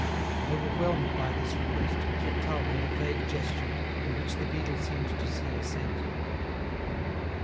Overwhelmed by this request, Durtal made a vague gesture, in which the beadle seemed to see assent.